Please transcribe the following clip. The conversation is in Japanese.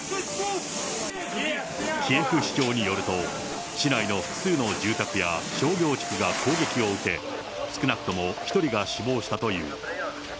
キエフ市長によると、市内の複数の住宅や商業地区が攻撃を受け、少なくとも１人が死亡したという。